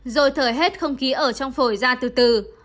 rồi thở hết không khí ở trong phổi ra từ từ